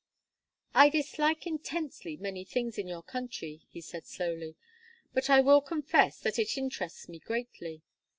"I dislike intensely many things in your country," he said, slowly; "but I will confess that it interests me greatly.